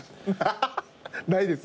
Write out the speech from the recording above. ないです？